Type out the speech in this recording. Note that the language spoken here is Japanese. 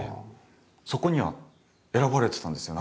そこには選ばれてたんですよ